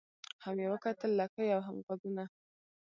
هم یې وکتل لکۍ او هم غوږونه